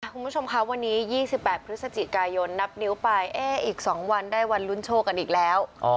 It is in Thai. คุณผู้ชมคะวันนี้๒๘พฤศจิกายนนับนิ้วไปอีก๒วันได้วันลุ้นโชคกันอีกแล้ว